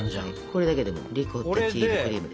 これだけでリコッタチーズクリーム。